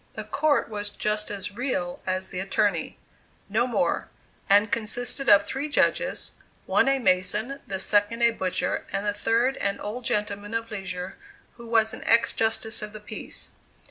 The court was just as "real" as the attorney, no more, and consisted of three judges, one a mason, the second a butcher, and the third an old gentleman of leisure who was an ex justice of the peace.